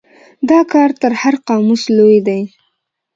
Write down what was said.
دا کار تر هر قاموس لوی دی.